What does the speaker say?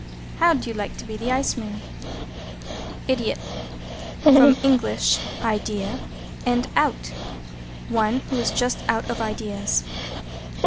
"How'd You Like to be The Iceman?" =IDIOT= From Eng. idea, and out. One who is just out of ideas.